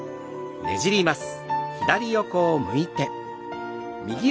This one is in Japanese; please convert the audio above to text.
ねじります。